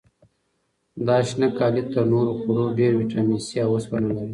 دا شنه کالي تر نورو خوړو ډېر ویټامین سي او وسپنه لري.